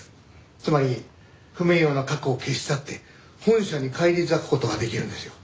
つまり不名誉な過去を消し去って本社に返り咲く事ができるんですよ。